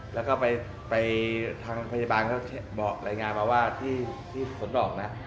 แล้วก็ไปทางพยาบาลก็บอกรายงานมาว่าที่ฝนบอกนะ